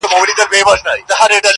• د ابوجهل د دې سکني زوی -